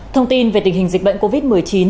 thông tin về tình hình dịch bệnh covid một mươi chín